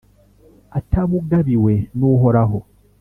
atabugabiwe n’Uhoraho